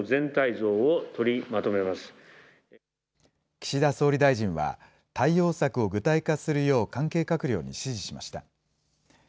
岸田総理大臣は、対応策を具体化するよう関係閣僚に指示しました。